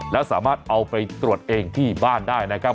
แล้วสามารถเอาไปตรวจเองที่บ้านได้นะครับ